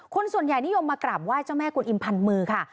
ส่วนใหญ่นิยมมากราบไหว้เจ้าแม่กุลอิมพันมือค่ะ